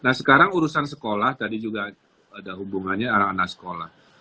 nah sekarang urusan sekolah tadi juga ada hubungannya anak anak sekolah